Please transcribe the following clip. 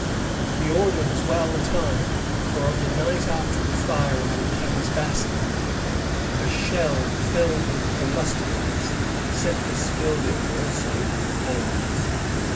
The order was well timed; for on the night after the fire in the King's Bastion, a shell filled with combustibles set this building also in flames.